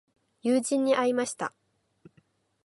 友人に会いました。